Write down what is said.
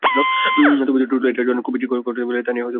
তবে টুটুল এটাও জানেন খুব বেশি কষ্ট পেলে তানিয়া বাথরুমে ঢুকে কাঁদবে।